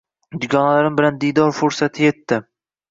Dugonalarim bilan diydor fursati etdi